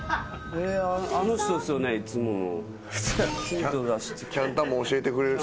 あの人っすよねいつもの。